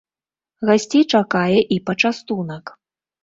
Гасцей чакае і пачастунак.